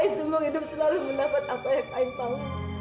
semua hidup selalu mendapat apa yang saya mau